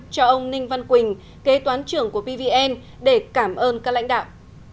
cho ông ninh văn quỳnh kế toán trưởng của pvn để cảm ơn các lãnh đạo